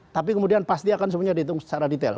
tapi kemudian pasti akan semuanya dihitung secara detail